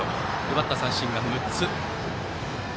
奪った三振が６つ。